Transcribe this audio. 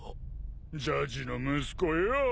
ジャッジの息子よ。